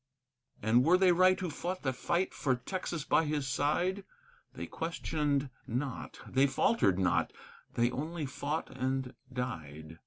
And were they right who fought the fight for Texas by his side? They questioned not; they faltered not; they only fought and died.